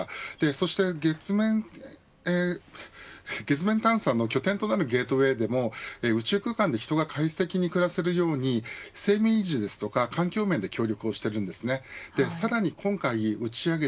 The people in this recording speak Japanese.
そして月面探査の拠点となるゲートウェイでも宇宙空間で人が快適に過ごせるように生命維持や環境面で協力をしています。